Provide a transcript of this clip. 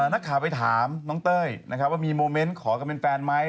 นักข่าวไปถามน้องเต้ยนะครับว่ามีโมเมนต์ขอกันเป็นแฟนไหม